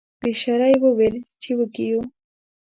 په اشاره یې وویل چې وږي یو.